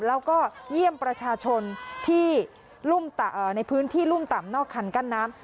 แล้วก็เยี่ยมประชาชนที่ในพื้นที่รุ่มต่ำนอกคันกั้นน้ำ